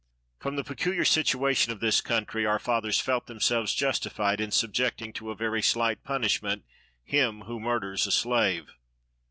From the peculiar situation of this country, our fathers felt themselves justified in subjecting to a very slight punishment him who murders a slave.